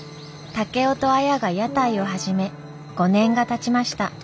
竹雄と綾が屋台を始め５年がたちました。